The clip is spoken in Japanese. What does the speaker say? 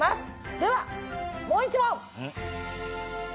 ではもう一問！